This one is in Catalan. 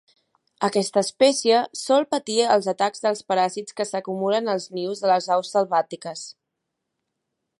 Aquesta espècie sol patir els atacs dels paràsits que s"acumulen als nius de les aus selvàtiques.